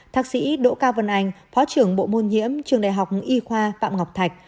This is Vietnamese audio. thạc sĩ đỗ cao vân anh phó trưởng bộ môn nhiễm trường đại học y khoa phạm ngọc thạch